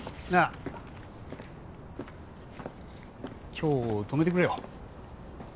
今日泊めてくれよ。